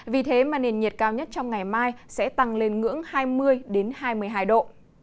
vì thế mà nền nhiệt cao nhất trong ngày mai sẽ tăng lên ngưỡng hai mươi hai mươi hai độ